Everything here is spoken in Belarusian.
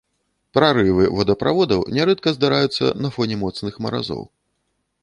Прарывы водаправодаў нярэдка здараюцца на фоне моцных маразоў.